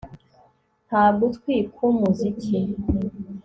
Nta gutwi kwumuziki